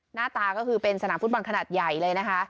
หน้าตาก็คือเป็นสนามฟุตบอลขนาดใหญ่เลยนะคะ